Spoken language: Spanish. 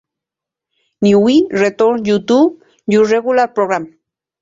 Now we return you to your regular program.